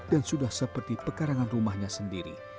dan sudah seperti pekarangan rumahnya sendiri